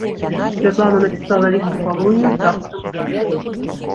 Святлана напісала ліст у калонію з запытам пра шлюб.